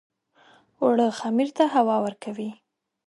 اوړه خمیر ته هوا ورکوي